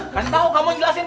kasih tau kamu jelasin